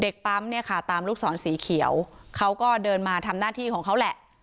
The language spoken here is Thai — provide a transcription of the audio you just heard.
ปั๊มเนี่ยค่ะตามลูกศรสีเขียวเขาก็เดินมาทำหน้าที่ของเขาแหละ